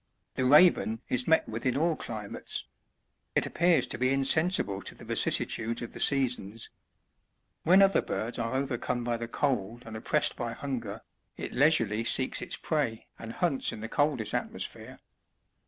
The Raven is met with in all climates ; it appears to be insensible to the vicissitudes of the seasons. When other birds are overcome by the cold and oppressed by hunger, it leisurely seeks its prey and hunts in the coldest atmosphere.